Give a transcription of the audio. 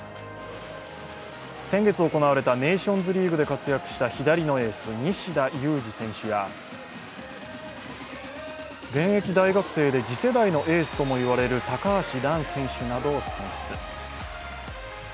先月行われたネーションズリーグで活躍した左のエース・西田有志選手や現役大学生で次世代のエースともいわれる高橋藍選手などを選出。